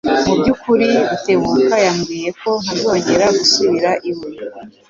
Mubyukuri Rutebuka yambwiye ko ntazongera gusubira iwe